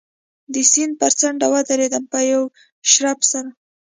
د سیند پر څنډه و درېدم، په یوه شړپ سره.